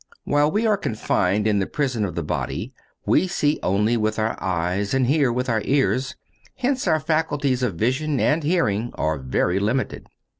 While we are confined in the prison of the body, we see only with our eyes and hear with our ears; hence our faculties of vision and hearing are very limited.